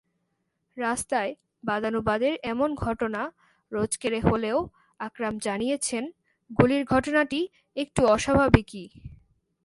রাস্তায় বাদানুবাদের এমন ঘটনা রোজকেরে হলেও আকরাম জানিয়েছেন, গুলির ঘটনাটি একটু অস্বাভাবিকই।